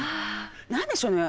何でしょうね